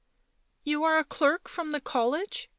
u You are a clerk from the college